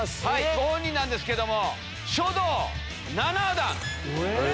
ご本人なんですけども。